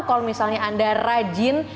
kalau misalnya anda rajin